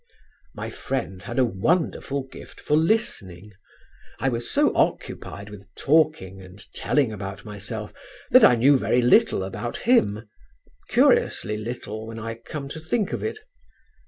"My friend had a wonderful gift for listening. I was so occupied with talking and telling about myself that I knew very little about him, curiously little when I come to think of it.